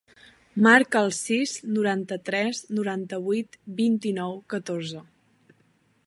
Marca el sis, noranta-tres, noranta-vuit, vint-i-nou, catorze.